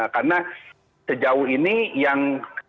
karena sejauh ini yang